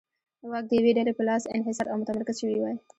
واک د یوې ډلې په لاس انحصار او متمرکز شوی وای.